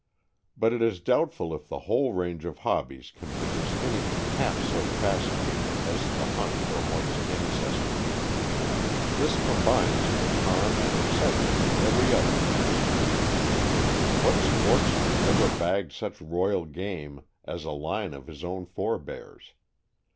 But it is doubtful if the whole range of hobbies can produce anything half so fascinating as the hunt for one's ancestry. This combines the charm and excitement of every other pastime. What sportsman ever bagged such royal game as a line of his own forebears?